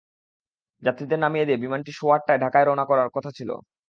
যাত্রীদের নামিয়ে দিয়ে বিমানটি সোয়া আটটায় ঢাকায় রওনা করার কথা ছিল।